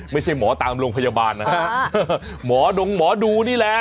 ไม่ใช่หมอตามโรงพยาบาลนะฮะหมอดงหมอดูนี่แหละ